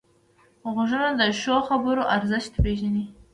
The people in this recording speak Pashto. غوږونه د ښو خبرو ارزښت پېژني